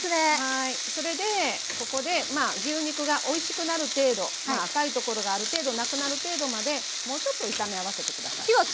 それでここで牛肉がおいしくなる程度赤いところがある程度なくなる程度までもうちょっと炒め合わせて下さい。